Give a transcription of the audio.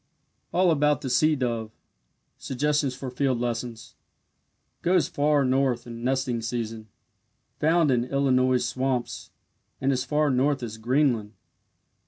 ALL ABOUT THE SEA DOVE SUGGESTIONS FOR FIELD LESSONS Goes far north in nesting season. Found in Illinois swamps, and as far north as Greenland.